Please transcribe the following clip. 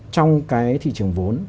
trong cái thị trường vốn